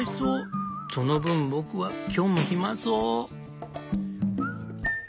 その分僕は今日も暇そう」。